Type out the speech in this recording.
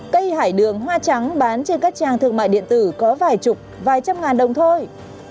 cây hải đường hoa trắng bán trên các trang thương mại điện tử có vài chục vài trăm ngàn đồng thôi